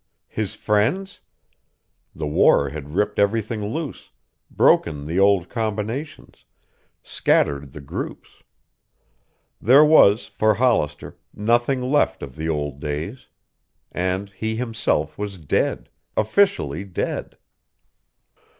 His friends? The war had ripped everything loose, broken the old combinations, scattered the groups. There was, for Hollister, nothing left of the old days. And he himself was dead, officially dead.